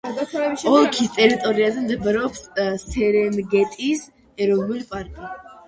ოლქის ტერიტორიაზე მდებარეობს სერენგეტის ეროვნული პარკი.